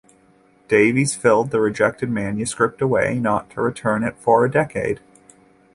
Davies filed the rejected manuscript away, not to return to it for a decade.